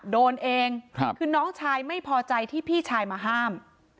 โดนเองคือน้องชายไม่พอใจที่พี่ชายมาห้าม